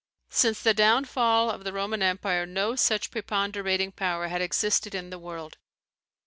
Since the downfall of the Roman empire no such preponderating power had existed in the world.